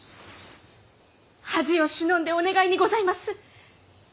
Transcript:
恥を忍んでお願いにございます！